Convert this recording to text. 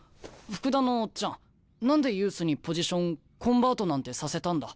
福田のオッチャン何でユースにポジションコンバートなんてさせたんだ？